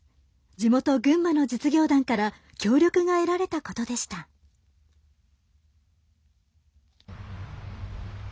地元、群馬の実業団から協力が得られたことでした。